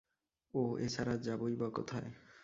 ওহ, এছাড়া আর যাবোই বা কোথায়।